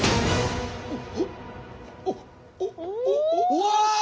うわ！